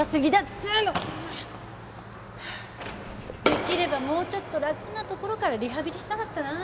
できればもうちょっと楽なところからリハビリしたかったなぁ。